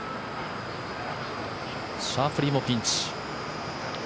シャフリーもピンチ。